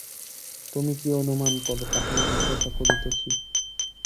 তুমি কী অনুমান কর, তাহাই জিজ্ঞাসা করিতেছি।